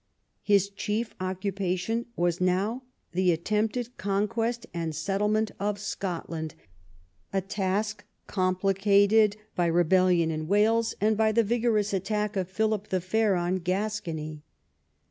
His chief occupation was now the attempted conquest and settlement of Scotland, a task complicated by rebellion in Wales and by the vigorous attack of Philip the Fair on Gascony.